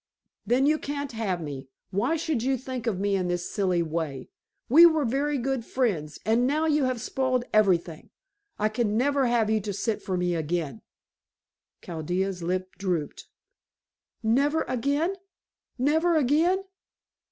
"Then you can't have me. Why should you think of me in this silly way? We were very good friends, and now you have spoiled everything. I can never have you to sit for me again." Chaldea's lip drooped. "Never again? Never again?"